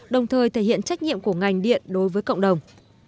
đồng thời thể hiện trách nhiệm của ngành điện đối với cộng đồng